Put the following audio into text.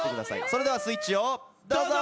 それではスイッチをどうぞ。